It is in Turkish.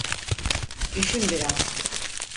Düşün biraz.